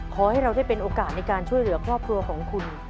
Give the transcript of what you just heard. ขอให้เราได้เป็นโอกาสในการช่วยเหลือครอบครัวของคุณ